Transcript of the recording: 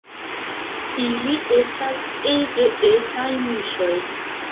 Ili estas ege etaj muŝoj.